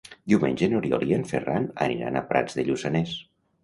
Diumenge n'Oriol i en Ferran aniran a Prats de Lluçanès.